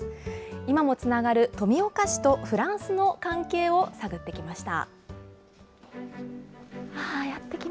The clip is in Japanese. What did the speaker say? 今もつながる富岡市とフランスの関係を探ってきました。